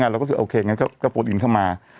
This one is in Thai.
เราก็คิดโอเคก็โฟนอินเข้ามา